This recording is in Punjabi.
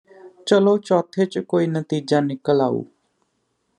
ਚਲੋਂ ਚੌਥੇ ਚ ਕੋਈ ਨਤੀਜਾ ਨਿਕਲ ਆਊ